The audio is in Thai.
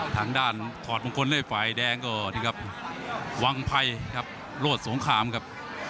ทางด้านถอดมงคลด้วยฝ่ายแดงก็วางไพ่ครับโรดสงขามครับ